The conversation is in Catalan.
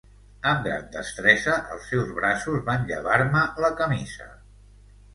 Amb gran destresa, els seus braços van llevar-me la camisa.